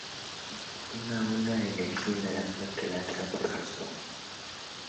Una onda de energía naranja que lanza por los ojos.